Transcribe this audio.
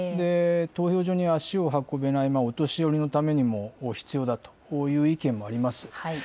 投票所に足を運べないお年寄りのためにも必要だという意見もあります。